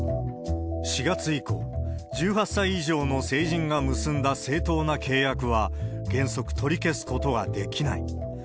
４月以降、１８歳以上の成人が結んだ正当な契約は、原則取り消すことはできない。